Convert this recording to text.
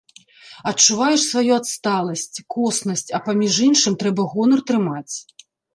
Адчуваеш сваю адсталасць, коснасць, а паміж іншым трэба гонар трымаць!